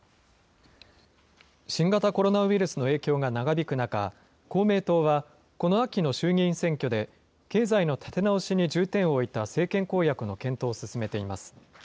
新型コロナウイルスの影響が長引く中、公明党はこの秋の衆議院選挙で、経済の立て直しに重点を置いた政権公約の検討を進めています。